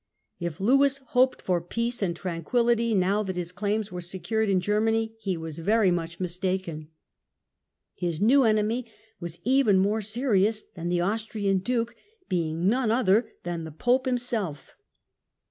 If Lewis hoped for peace and tranquiUity, now that his claims were secured in Germany, he was very much mistaken. His next enemy was even more serious than the Austrian Duke, being none other than the Pope himself.